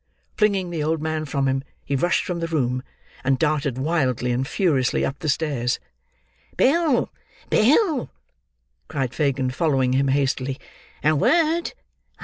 Flinging the old man from him, he rushed from the room, and darted, wildly and furiously, up the stairs. "Bill, Bill!" cried Fagin, following him hastily. "A word.